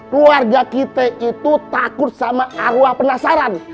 keluarga kita itu takut sama arwah penasaran